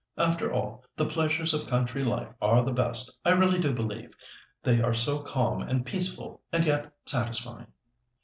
After all, the pleasures of country life are the best, I really do believe; they are so calm and peaceful and yet satisfying."